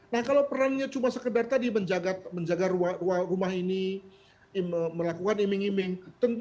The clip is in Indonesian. nah kalau perannya cuma sekedar tadi menjaga rumah ini melakukan iming iming